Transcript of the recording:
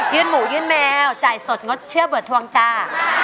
เยื่อนหมูเยื่อนแมวจ่ายสดงดเชื่อเบือดทวงจ้า